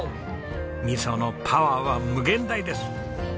味噌のパワーは無限大です。